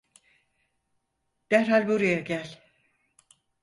Derhal buraya gel.